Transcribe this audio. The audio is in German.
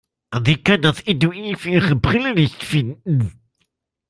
Sie kann das Etui für ihre Brille nicht finden.